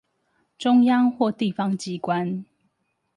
中央或地方機關